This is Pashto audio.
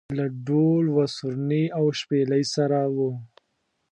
له ډول و سورني او شپېلۍ سره و.